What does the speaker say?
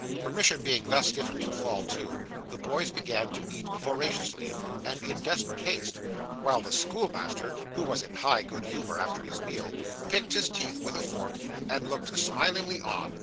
Permission being thus given to fall to, the boys began to eat voraciously, and in desperate haste: while the schoolmaster (who was in high good humour after his meal) picked his teeth with a fork, and looked smilingly on.